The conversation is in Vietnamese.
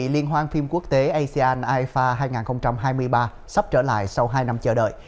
liên hoan phim quốc tế asean ifa hai nghìn hai mươi ba sắp trở lại sau hai năm chờ đợi